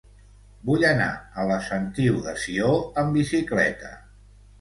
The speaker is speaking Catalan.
Vull anar a la Sentiu de Sió amb bicicleta.